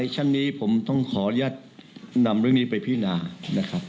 ชั้นนี้ผมต้องขออนุญาตนำเรื่องนี้ไปพินานะครับ